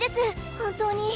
本当に。